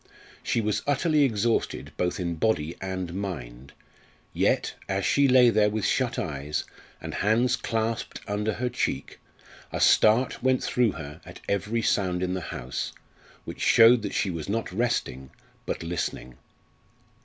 She was utterly exhausted both in body and mind; yet, as she lay there with shut eyes, and hands clasped under her cheek, a start went through her at every sound in the house, which showed that she was not resting, but listening.